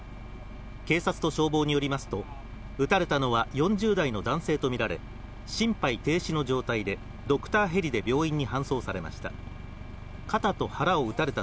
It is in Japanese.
警察と消防によりますと、撃たれたのは４０代の男性と見られ、心肺停止の状態で、ドクターヘリで病院に搬送されました。